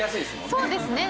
そうですね。